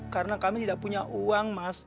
karena kami tidak punya uang mas